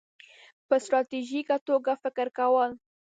-په ستراتیژیکه توګه فکر کول